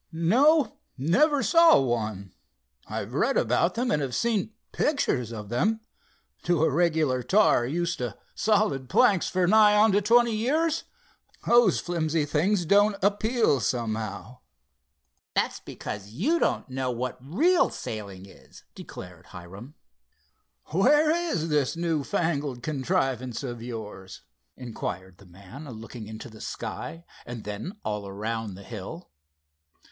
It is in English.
"No, never saw one. I've read about them and have seen pictures of them. To a regular tar, used to solid planks for nigh onto twenty years, those flimsy things don't appeal, somehow." "That's because you don't know what real sailing is," declared Hiram. "Where is this new fangled contrivance of yours?" inquired the man, looking into the sky and then all around the hill.